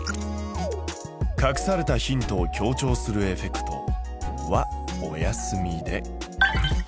隠されたヒントを強調するエフェクトはお休みで。